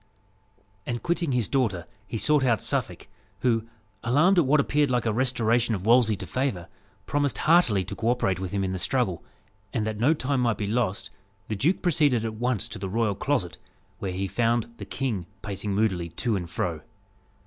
And quitting his daughter, he sought out Suffolk, who, alarmed at what appeared like a restoration of Wolsey to favour, promised heartily to co operate with him in the struggle; and that no time might be lost, the duke proceeded at once to the royal closet, where he found the king pacing moodily to and fro.